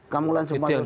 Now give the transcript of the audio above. kamu langsung masuk surga